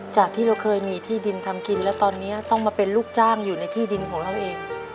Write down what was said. จากที่เราเคยมีที่ดินทำกินแล้วตอนนี้ต้องมาเป็นลูกจ้างอยู่ในที่ดินของเราเอง